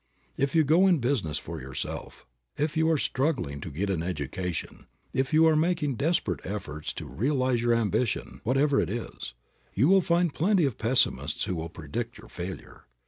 If you go in business for yourself, if you are struggling to get an education, if you are making desperate efforts to realize your ambition, whatever it is, you will find plenty of pessimists who will predict your failure.